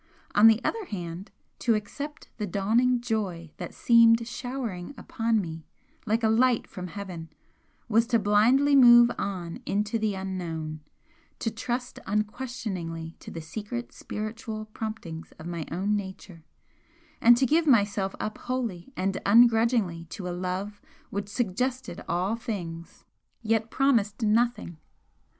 On the other hand, to accept the dawning joy that seemed showering upon me like a light from Heaven, was to blindly move on into the Unknown, to trust unquestioningly to the secret spiritual promptings of my own nature and to give myself up wholly and ungrudgingly to a love which suggested all things yet promised nothing!